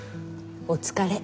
お疲れ。